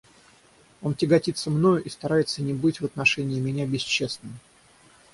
Он тяготится мною и старается не быть в отношении меня бесчестным.